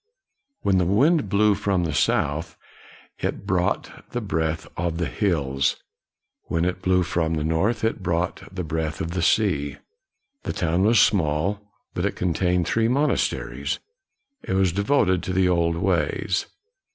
When the wind blew from the south, it brought the breath of the hills; when it blew from the north, it brought the breath of the sea. The town was small, but it contained three monasteries. It was devoted to the old ways.